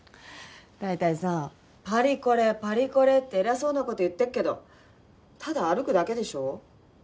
大体さパリコレパリコレって偉そうな事言ってっけどただ歩くだけでしょ？